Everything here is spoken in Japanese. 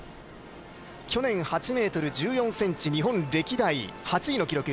去年、８ｍ１４ｃｍ日本歴代８位の記録。